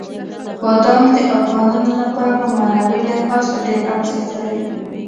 بادام د افغانانو لپاره په معنوي لحاظ ډېر ارزښت لري.